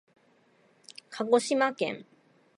かごしまけん